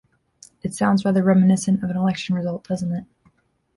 It sounds rather reminiscent of an election result, doesn't it?